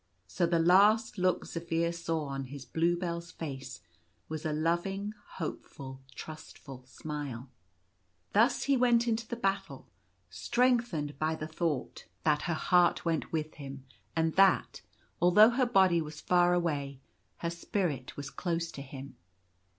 So the last look Zaphir saw on his Bluebell's face was a loving, hopeful, trustful smile. Thus he went into the battle strengthened by the thought 30 When Zaphir was gone. that her heart went with him, and that, although her body was far away, her spirit was close to him.